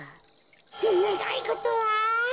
ねがいごとは？